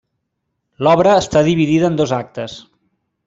L'obra està dividida en dos actes.